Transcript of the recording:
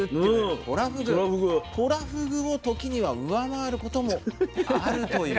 とらふぐを時には上回ることもあるという。